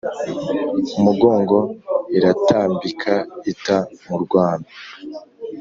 umugongo iratambika ita mu rwano.